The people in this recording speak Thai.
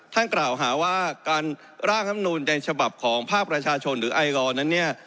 ท่านกล่าวหาว่าการร่างรัฐมนุนในฉบับของภาคประชาชนหรือไอรอนั้นเนี่ย